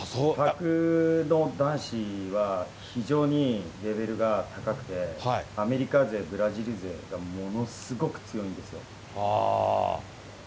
男子は非常にレベルが高くて、アメリカ勢、ブラジル勢がものすごく強いんですよ。